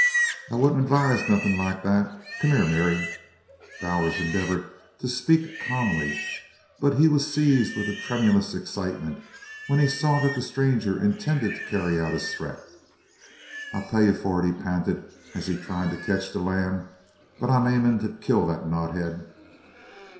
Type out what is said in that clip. "I wouldn't advise nothin' like that. Come here, Mary!" Bowers endeavored to speak calmly, but he was seized with a tremulous excitement when he saw that the stranger intended to carry out his threat. "I'll pay you fer it," he panted as he tried to catch the lamb, "but I'm aimin' to kill that knot head!"